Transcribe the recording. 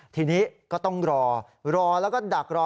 ทีนี้ก็ต้องรอรอแล้วก็ดักรอ